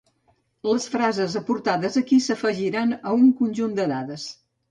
Les frases aportades aquí s'afegiran a un conjunt de dades